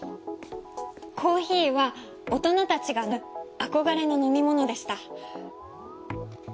コーヒーは大人たちが飲む憧れの飲み物でした。